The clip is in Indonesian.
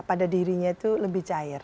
pada dirinya itu lebih cair